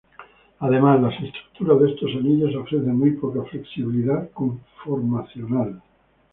Además, las estructuras de estos anillos ofrecen muy poca flexibilidad conformacional.